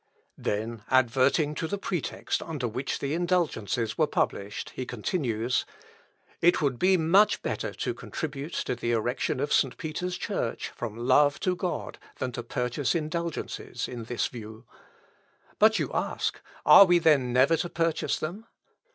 Then adverting to the pretext under which the indulgences were published, he continues: "It would be much better to contribute to the erection of St. Peter's church from love to God, than to purchase indulgences in this view.... But you ask, Are we then never to purchase them?